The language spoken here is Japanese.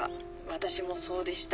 私もそうでした。